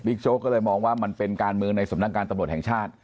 บิ๊กโช๊กก็เลยมองว่ามันเป็นการเมืองในศพคำถามการตำรวจแห่งชาติ